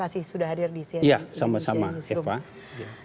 sudah hadir di cnn indonesia newsroom